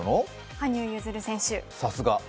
羽生結弦選手。